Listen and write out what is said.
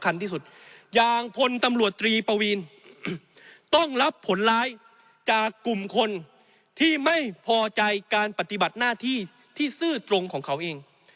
ที่สุดอย่างพลตำรวจตรีปวีนต้องรับผลร้ายจากกลุ่มคนที่ไม่พอใจการปฏิบัติหน้าที่ที่ซื่อตรงของเขาเอง